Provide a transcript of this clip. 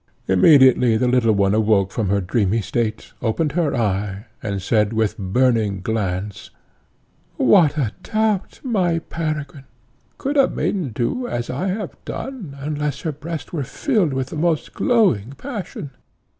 Immediately the little one awoke from her dreamy state, opened her eye, and said with burning glance, "What a doubt, my Peregrine! Could a maiden do as I have done, unless her breast were filled with the most glowing passion?